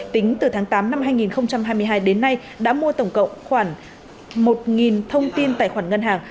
tính từ tháng tám năm hai nghìn hai mươi hai đến nay đã mua tổng cộng khoảng một thông tin tài khoản ngân hàng